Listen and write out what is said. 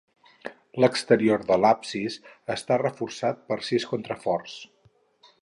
L'exterior de l'absis està reforçat per sis contraforts.